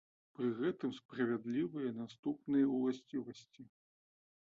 Пры гэтым справядлівыя наступныя ўласцівасці.